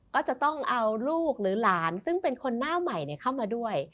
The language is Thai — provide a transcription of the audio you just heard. ก็จะต้องเอาลูกหรือหลานซึ่งเป็นคนหน้าใหม่เข้ามาด้วย